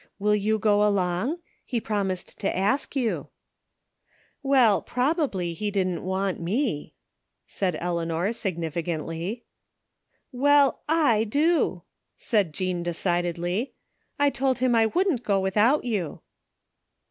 Will you go along? He promised to ask yott" " Well, probably he didn't want me," said Eleanor significantly. " Well, / do," said Jean decidedly. " I told him I wouldn't go without you."